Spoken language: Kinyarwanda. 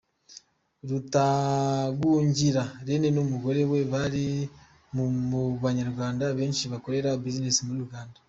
Rutagungira Rene n’umugore we bari mu banyarwanda benshi bakorera business muri Uganda.